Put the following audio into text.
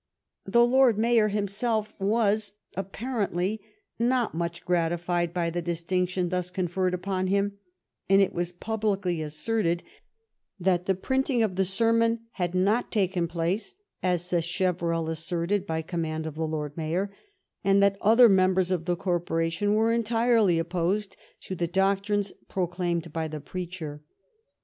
The Lord Mayor himself was, apparently, not much gratified by the distinction thus conferred upon him, and it was publicly asserted that the printing of the sermon had not taken place, as Sacheverell asserted, by command of the Lord Mayor, and that other mem bers of the corporation were entirely opposed to the doctrines proclaimed by the preacher.